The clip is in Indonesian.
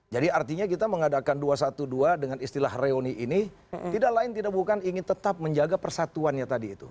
jadi artinya kita mengadakan dua ratus dua belas dengan istilah reuni ini tidak lain tidak bukan ingin tetap menjaga persatuannya tadi itu